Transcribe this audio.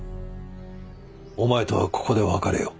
お前とはここで別れよう。